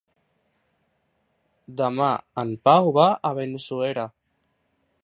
Demà en Pau va a Benissuera.